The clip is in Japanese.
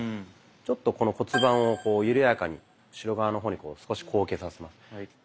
ちょっとこの骨盤を緩やかに後ろ側の方にこう少し後傾させます。